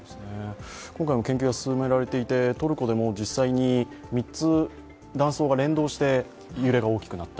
今回も研究が進められていて、トルコでも実際に３つ、断層が連動して揺れが大きくなった。